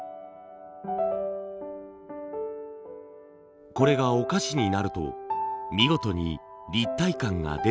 これがお菓子になると見事に立体感が出ています。